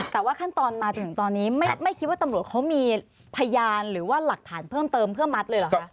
แต่ว่าขั้นตอนมาจนถึงตอนนี้ไม่คิดว่าตำรวจเขามีพยานหรือว่าหลักฐานเพิ่มเติมเพื่อมัดเลยเหรอคะ